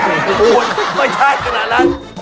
โอ้โหไม่ชาติขนาดนั้น